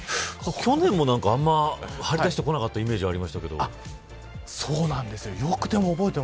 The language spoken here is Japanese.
去年もあまり張り出してこなかったイメージがそうなんですよ。